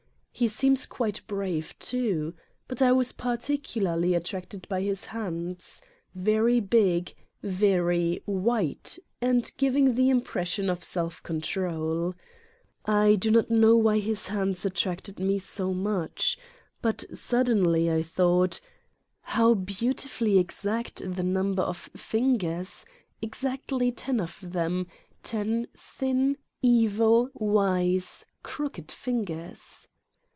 He seems quite brave too. But I was particularly at tracted by his hands: very big, very white and giving the impression of self control. I do not know why his hands attracted me so much. But suddenly I thought: how beautifully exact the number of fingers, exactly ten of them, ten thin, evil, wise, crooked fingers